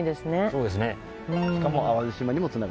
そうですね。